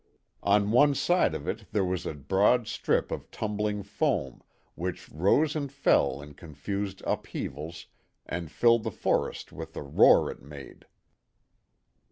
On one side of it there was a broad strip of tumbling foam, which rose and fell in confused upheavals and filled the forest with the roar it made.